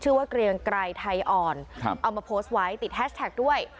เกรียงไกรไทยอ่อนเอามาโพสต์ไว้ติดแฮชแท็กด้วย